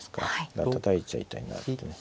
だからたたいちゃいたいなってね。